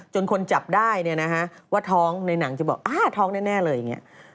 จนคนจับได้ว่าท้องในหนังจะบอกอ้าวท้องแน่เลยอย่างนี้